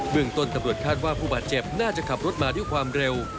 เมืองต้นตำรวจคาดว่าผู้บาดเจ็บน่าจะขับรถมาด้วยความเร็ว